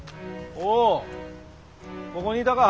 おうここにいたか。